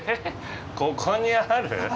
ここにある？